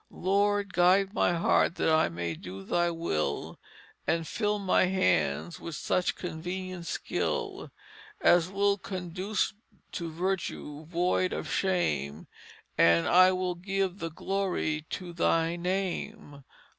Lord Guide my Heart that I may do thy Will, And fill my Hands with such convenient skill As will conduce to Virtue void of Shame, And I will give the Glory to thy Name."